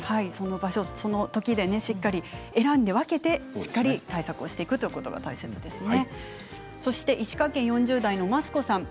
その時々で選んで分けてしっかり対策をしておくということが大事ですね。